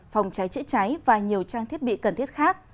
phòng cháy chữa cháy và nhiều trang thiết bị cần thiết khác